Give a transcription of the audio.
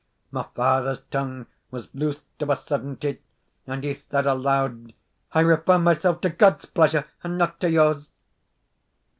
My father's tongue was loosed of a suddenty, and he said aloud, "I refer myself to God's pleasure, and not to yours."